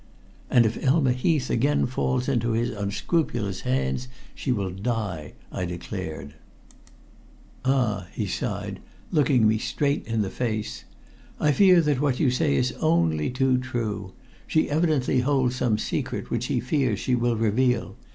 "And if Elma Heath again falls into his unscrupulous hands, she will die," I declared. "Ah!" he sighed, looking me straight in the face, "I fear that what you say is only too true. She evidently holds some secret which he fears she will reveal.